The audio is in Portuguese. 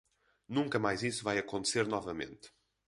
Nunca mais isso vai acontecer novamente.